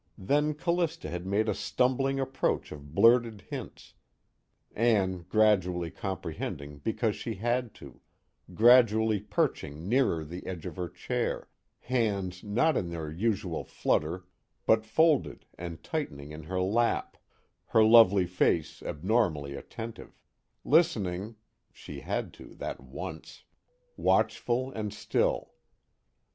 Then Callista had made a stumbling approach of blurted hints, Ann gradually comprehending because she had to, gradually perching nearer the edge of her chair, hands not in their usual flutter but folded and tightening in her lap, her lovely face abnormally attentive; listening she had to, that once! watchful and still.